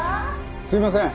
すいません。